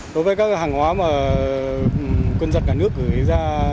đối với các hàng hóa mà quân dân cả nước gửi ý ra